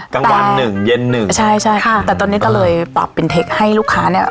กลางวันหนึ่งเย็นหนึ่งใช่ใช่ค่ะแต่ตอนนี้ก็เลยปรับเป็นเทคให้ลูกค้าเนี้ย